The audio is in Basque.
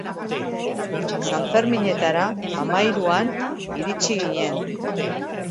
Sanferminetara hamahiruan iritsi ginen.